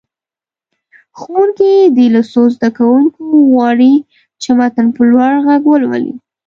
ښوونکی دې له څو زده کوونکو وغواړي چې متن په لوړ غږ ولولي.